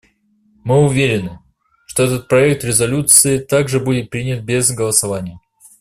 Мы уверены, что этот проект резолюции также будет принят без голосования.